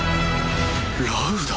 ラウダ？